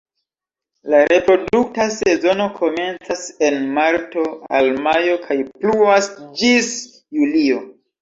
La reprodukta sezono komencas en marto al majo kaj pluas ĝis julio.